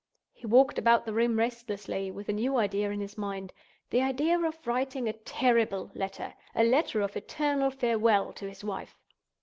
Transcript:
He walked about the room restlessly, with a new idea in his mind—the idea of writing a terrible letter; a letter of eternal farewell to his wife.